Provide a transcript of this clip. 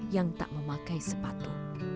yang tak memakai sepatu